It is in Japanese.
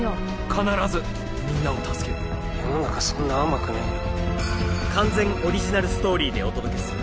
必ずみんなを助ける世の中そんな甘くねえよ